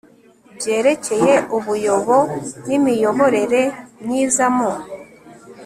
byerekeye ubuyobo n imiyoborere myiza mu